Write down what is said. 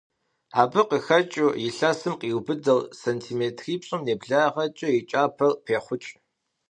Абы къыхэкIыу, илъэсым къриубыдэу сантиметрипщIым нэблагъэкIэ и кIапэр пехъукI.